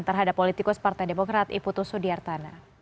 terhadap politikus partai demokrat iputu sudiartana